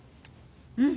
うん。